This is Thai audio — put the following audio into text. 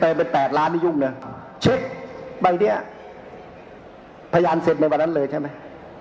ไปเติมไป๘ล้านนิยมเนี่ยเช็คใบเนี้ยพยานเสร็จมาวันนั้นเลยใช่ไหม